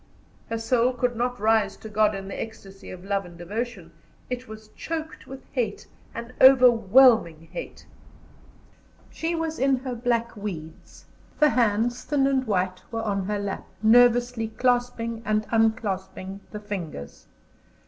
Her soul could not rise to God in the ecstasy of love and devotion; it was choked with hate an overwhelming hate. She was in her black weeds; the hands, thin and white, were on her lap, nervously clasping and unclasping the fingers.